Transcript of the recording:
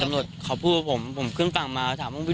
ตากรเลือกเพื่อนผมไม่นี่